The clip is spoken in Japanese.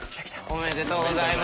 おめでとうございます。